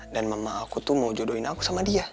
mama aku tuh mau jodohin aku sama dia